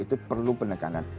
itu perlu penekanan